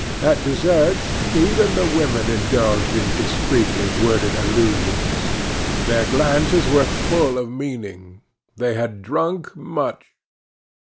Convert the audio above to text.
At dessert even the women indulged in discreetly worded allusions. Their glances were full of meaning; they had drunk much.